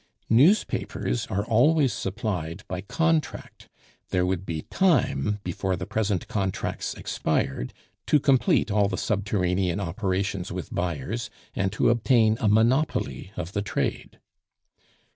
Newspapers are always supplied by contract; there would be time before the present contracts expired to complete all the subterranean operations with buyers, and to obtain a monopoly of the trade.